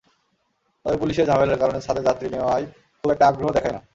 তবে পুলিশের ঝামেলার কারণে ছাদে যাত্রী নেওয়ায় খুব একটা আগ্রহ দেখাই না।